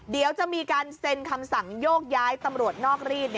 เดี๋ยวจะมีการเซ็นคำสั่งโยกย้ายตำรวจนอกรีด